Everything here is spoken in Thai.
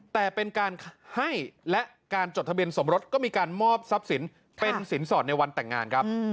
แต่เป็นการให้และการจดทะเบียนสมรสก็มีการมอบทรัพย์สินเป็นสินสอดในวันแต่งงานครับ